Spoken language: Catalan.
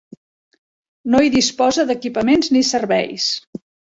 No hi disposa d'equipaments ni serveis.